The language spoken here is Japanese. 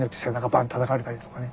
バンッてたたかれたりとかね。